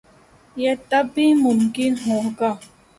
یہ تب ہی ممکن ہو گا۔